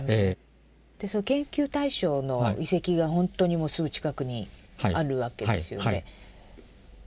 その研究対象の遺跡がほんとにもうすぐ近くにあるわけですよね。